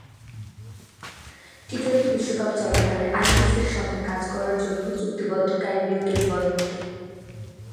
T twenty বিশ্বকাপ চলাকালে আইসিসির সঙ্গে কাজ করার জন্যও চুক্তিবদ্ধ ক্যারিবীয় কিংবদন্তি।